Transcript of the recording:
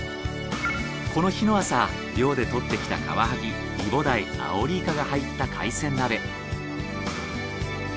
この日の朝漁で獲ってきたカワハギイボダイアオリイカが入った海鮮鍋。